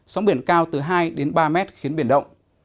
sóng biển cao từ hai đến ba mét khiến biển động